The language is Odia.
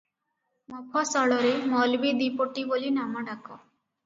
ମଫସଲରେ ମୌଲବୀ ଦିପୋଟି ବୋଲି ନାମ ଡାକ ।